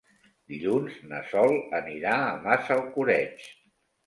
Dilluns na Sol anirà a Massalcoreig.